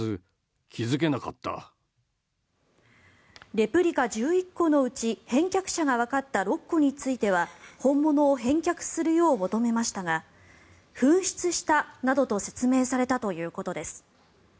レプリカ１１個のうち返却者がわかった６個については本物を返却するよう求めましたが紛失したなどと説明されたということです。